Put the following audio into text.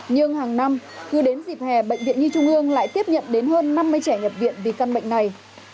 nhưng hàng năm cứ đến dịp hè bệnh viện nhi trung ương lại tiếp nhận đến hơn năm mươi trẻ nhập viện vì căn bệnh này